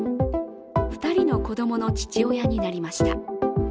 ２人の子供の父親になりました。